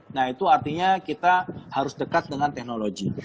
nah itu artinya kita harus dekat dengan teknologi